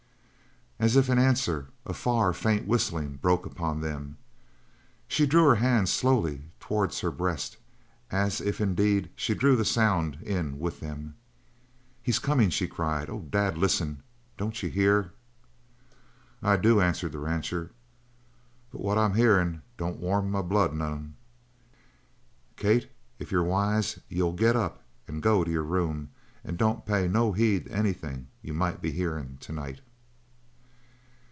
As if in answer, a far, faint whistling broke upon them. She drew her hands slowly towards her breast, as if, indeed, she drew the sound in with them. "He's coming!" she cried. "Oh, Dad, listen! Don't you hear?" "I do," answered the rancher, "but what I'm hearin' don't warm my blood none. Kate, if you're wise you'll get up and go to your room and don't pay no heed to anything you might be hearin' to night."